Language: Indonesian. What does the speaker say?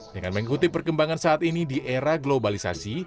dengan mengikuti perkembangan saat ini di era globalisasi